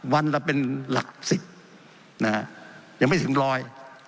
วันละเป็นหลักประสิทธิ์เห็นไม่ถึงรอย